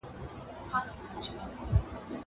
زه اوږده وخت قلم استعمالوموم وم!!